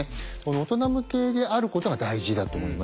大人向けであることが大事だと思います。